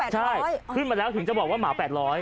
ใช่ขึ้นมาแล้วถึงจะบอกว่าหมา๘๐๐